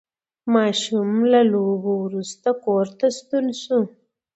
ماشوم له لوبو وروسته کور ته ستون شو